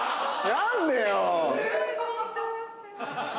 何でよ。